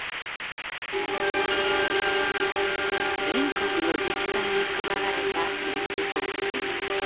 全国の自治体に配られた臨時交付金。